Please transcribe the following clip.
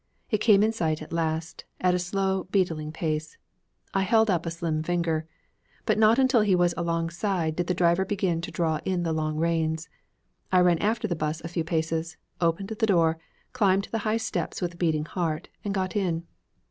It came in sight at last, at a slow beetling pace. I held up a slim finger. But not until he was alongside did the driver begin to draw in the long reins. I ran after the 'bus a few paces, opened the door, climbed the high steps with a beating heart, and got in.